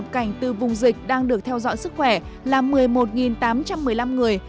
cảnh từ vùng dịch đang được theo dõi sức khỏe là một mươi một tám trăm một mươi năm người